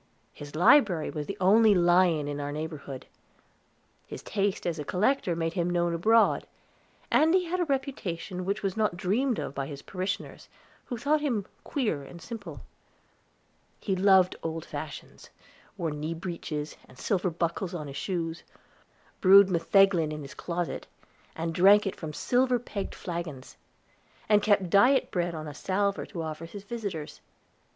His library was the only lion in our neighborhood. His taste as a collector made him known abroad, and he had a reputation which was not dreamed of by his parishioners, who thought him queer and simple. He loved old fashions; wore knee breeches, and silver buckles in his shoes; brewed metheglin in his closet, and drank it from silver pegged flagons; and kept diet bread on a salver to offer his visitors.